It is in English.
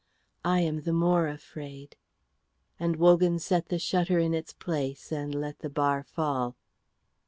I am the more afraid;" and Wogan set the shutter in its place and let the bar fall.